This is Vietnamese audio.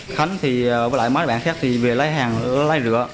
khánh thì với lại mấy bạn khác thì về lấy hàng ở lấy rửa